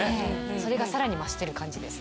それがさらに増してる感じです。